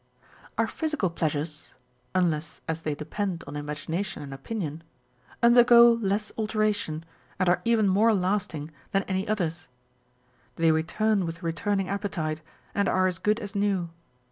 Our physical pleasures (unless as they depend on imagination and opinion) undergo less alteration, and are even more lasting than any others. They return with returning appetite, and are as good as new.